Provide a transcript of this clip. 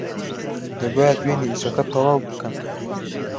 دەبووایە دوێنێ ئیشەکە تەواو بکەم.